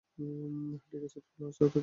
হ্যাঁ, ঠিকাছে, তাহলে আজ রাত টেস্ট করে নাও?